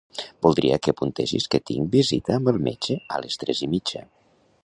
Voldria que apuntessis que tinc visita amb el metge a les tres i mitja.